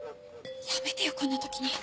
やめてよこんな時に！